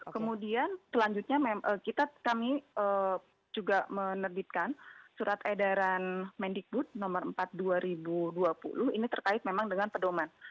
kemudian selanjutnya kami juga menerbitkan surat edaran mendikbud nomor empat dua ribu dua puluh ini terkait memang dengan pedoman